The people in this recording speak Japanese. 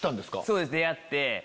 そうです出会って。